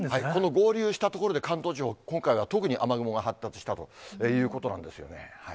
合流した所で、関東地方、今回は特に雨雲が発達したということなんですよね。